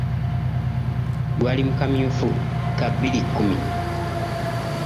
Gwali mu kamyufu ka bbiri kkumi.